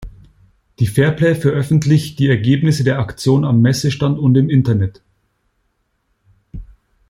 Die Fairplay veröffentlicht die Ergebnisse der Aktion am Messestand und im Internet.